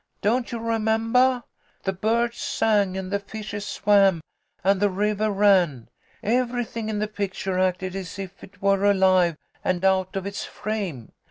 Don't you remembah ? The birds sang, and the fishes swam, and the rivah ran. Everything in the picture acted as if it were alive and out of its frame.